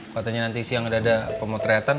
katanya nanti siang ada pemotretan